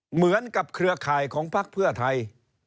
เหมือนกับเครือข่ายของพักเพื่อไทย